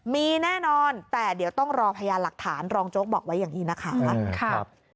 มีแน่นอนแต่เดี๋ยวต้องรอพยานหลักฐานรองโจ๊กบอกไว้อย่างนี้นะคะ